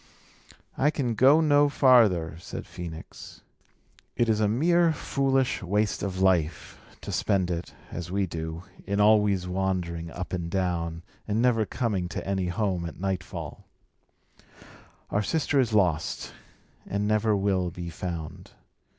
"I can go no farther," said Phœnix. "It is a mere foolish waste of life, to spend it, as we do, in always wandering up and down, and never coming to any home at nightfall. Our sister is lost, and never will be found.